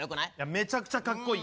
めちゃくちゃかっこいい。